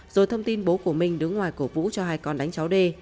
rồi thông tin bố của minh đứng ngoài cổ vũ cho hai con đánh cháu đê